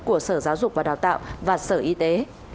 của sở giáo dục và đào tạo và sở y tế